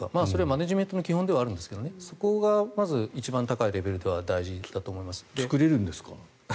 それはマネジメントの基本ではあるんですがそこがまず一番高いレベルでは大事だと思います。